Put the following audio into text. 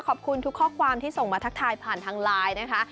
ขอบคุณทุกข้อความที่ส่งมาทักทายผ่านทางไลน์นะคะ